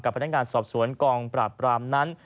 พนักงานสอบสวนกองปราบปรามนั้น